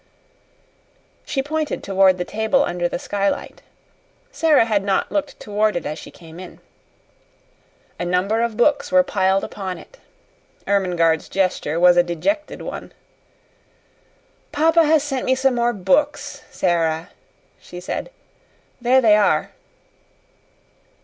She pointed toward the table under the skylight. Sara had not looked toward it as she came in. A number of books were piled upon it. Ermengarde's gesture was a dejected one. "Papa has sent me some more books, Sara," she said. "There they are."